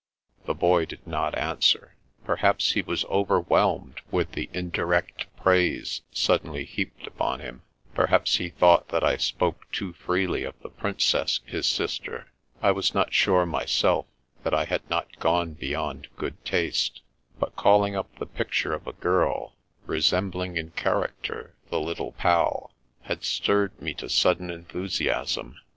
The Boy did not answer. Perhaps he was over whelmed with the indirect praise suddenly heaped upon him ; perhaps he thought that I spoke too freely of the Princess his sister. I was not sure, myself, that I had not gone beyond good taste ; but calling up the picture of a girl, resembling in character the Little Pal, had stirred me to sudden enthusiasm.